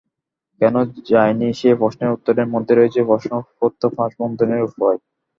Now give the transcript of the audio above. কেন যায়নি, সেই প্রশ্নের উত্তরের মধ্যেই রয়েছে প্রশ্নপত্র ফাঁস বন্ধের উপায়।